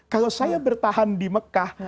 kalau saya bertahan di mekah